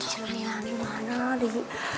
cemilannya mana dwi